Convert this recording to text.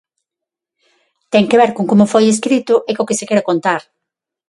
Ten que ver con como foi escrito e co que se quere contar.